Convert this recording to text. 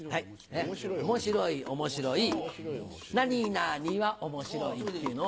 「面白い面白い何々は面白い」っていうのを。